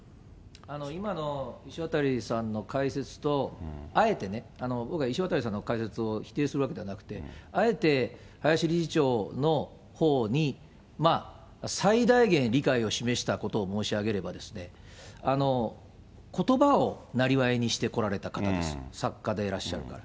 今の石渡さんの解説と、あえてね、僕は石渡さんの解説を否定するわけではなくて、あえて林理事長のほうに、最大限理解を示したことを申し上げれば、ことばをなりわいにしてこられた方です、作家でいらっしゃるから。